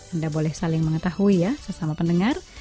anda boleh saling mengetahui ya sesama pendengar